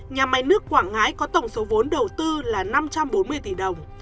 nhà máy nước quảng ngãi có tổng số vốn đầu tư là năm trăm bốn mươi tỷ đồng